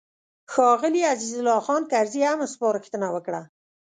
ښاغلي عزیز الله خان کرزي هم سپارښتنه وکړه.